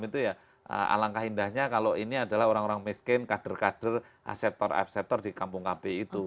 itu ya alangkah indahnya kalau ini adalah orang orang miskin kader kader aseptor abseptor di kampung kb itu